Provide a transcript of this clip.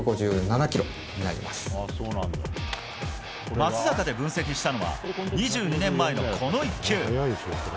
松坂で分析したのは２２年前のこの１球。